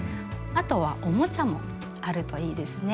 あとはおもちゃもあるといいですね。